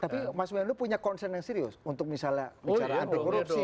tapi mas wendo punya concern yang serius untuk misalnya bicara anti korupsi